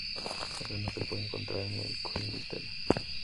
Esto no se puede encontrar en el "Queen Victoria".